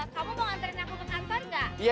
kamu mau ngantarin aku ke kantor enggak